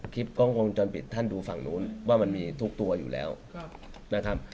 คลิปกล้องวงจรปิดท่านดูฝั่งนู้นว่ามันมีทุกตัวอยู่แล้วนะครับ